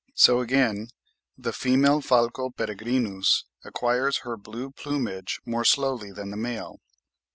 So again the female Falco peregrinus acquires her blue plumage more slowly than the male.